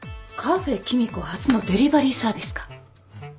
カフェ黄実子初のデリバリーサービスか。